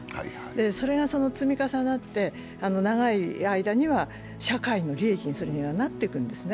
それが積み重なって長い間に社会の利益になっていくんですね。